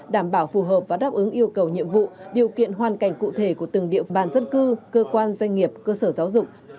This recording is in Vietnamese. đảm bảo phù hợp và đáp ứng yêu cầu nhiệm vụ điều kiện hoàn cảnh cụ thể của từng địa bàn dân cư cơ quan doanh nghiệp cơ sở giáo dục